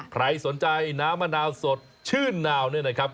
ใครสนใจน้ำมะนาวสดชื่นนาวเนี่ยนะครับ